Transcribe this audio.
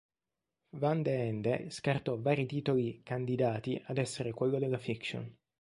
Van de Ende scartò vari titoli "candidati" ad essere quello della fiction.